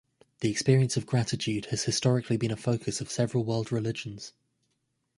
The experience of gratitude has historically been a focus of several world religions.